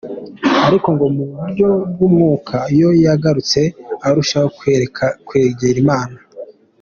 Ariko ngo mu buryo bw’umwuka ho, yaragutse, arushaho kwegera Imana.